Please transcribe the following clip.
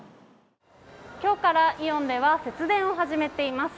今日からイオンでは節電を始めています。